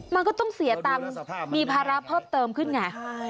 มันก็ต้องเสียตังค์มีภาระเพิ่มเติมขึ้นไง